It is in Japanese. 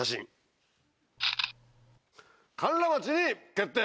甘楽町に決定！